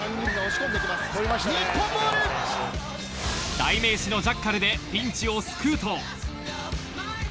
代名詞のジャッカルで、ピンチを救うと。